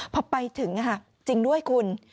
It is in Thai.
พอไปถึงจริงด้วยคุณ